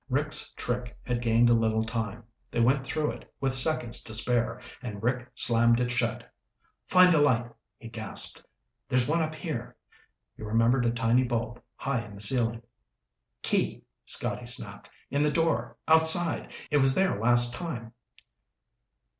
Rick's trick had gained a little time. They went through it with seconds to spare, and Rick slammed it shut. "Find a light," he gasped. "There's one up here." He remembered a tiny bulb, high in the ceiling. "Key," Scotty snapped. "In the door. Outside. It was there last time."